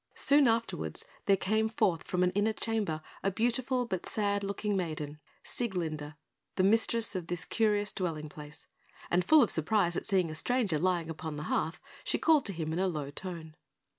Soon afterwards, there came forth from an inner chamber a beautiful but sad looking maiden Sieglinde, the mistress of this curious dwelling place and full of surprise at seeing a stranger lying upon the hearth, she called to him in a low tone.